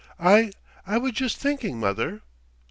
"I I was just thinking, mother."